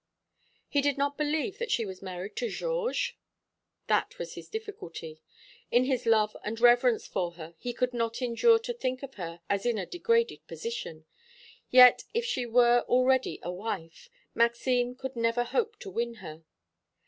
"He did not believe that she was married to Georges?" "That was his difficulty. In his love and reverence for her he could not endure to think of her as in a degraded position; yet if she were already a wife, Maxime could never hope to win her.